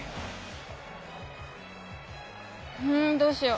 うんどうしよう。